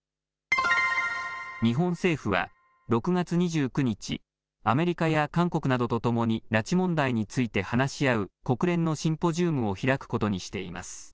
日本政府は６月２９日、アメリカや韓国などとともに拉致問題について話し合う国連のシンポジウムを開くことにしています。